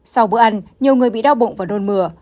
sau bữa ăn nhiều người bị đau bụng và đôn mửa